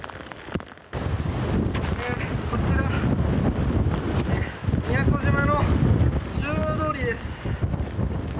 こちら宮古島の中央通りです。